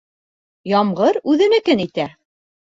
Ямғыр үҙенекен итә.